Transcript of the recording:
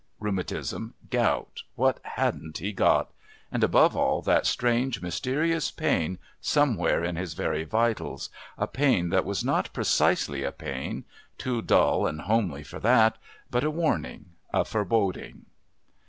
Rheumatism, gout, what hadn't he got? and, above all, that strange, mysterious pain somewhere in his very vitals, a pain that was not precisely a pain, too dull and homely for that, but a warning, a foreboding.